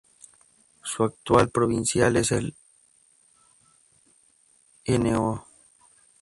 Su actual Provincial es el Hno.